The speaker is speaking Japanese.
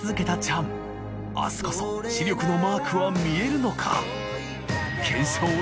垢海視力のマークは見えるのか？